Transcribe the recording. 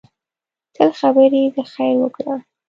تل خبرې د خیر وکړه